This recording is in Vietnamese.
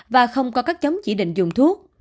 và không có các chống chỉ định dùng thuốc